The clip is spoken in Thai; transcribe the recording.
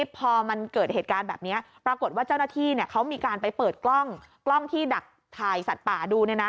พอมันเกิดเหตุการณ์แบบนี้ปรากฏว่าเจ้าหน้าที่เขามีการไปเปิดกล้องที่ดักถ่ายสัตว์ป่าดู